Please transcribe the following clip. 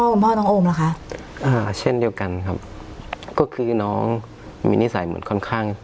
คุณพ่อน้องโอมล่ะคะอ่าเช่นเดียวกันครับก็คือน้องมีนิสัยเหมือนค่อนข้าง